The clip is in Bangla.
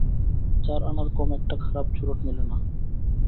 চার আনার কম একটা খারাপ চুরুট মেলে না।